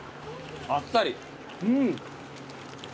あっさり。